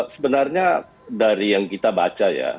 sebenarnya dari yang kita baca ya